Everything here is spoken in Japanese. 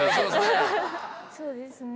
そうですね。